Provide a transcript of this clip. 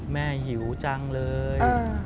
แม่หิวจังเลย